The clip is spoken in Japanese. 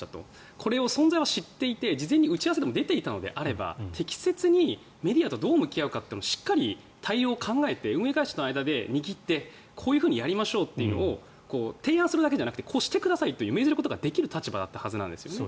これを存在は知っていて事前に打ち合わせでも出ていたのであれば適切にメディアとどう向き合うかというしっかり対応を考えて運営会社との間で握ってこういうふうにやりましょうと提案するだけじゃなくてこうしてくださいと命じることができる立場だったはずなんですね。